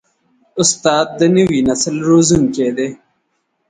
استاد د نوي نسل روزونکی دی.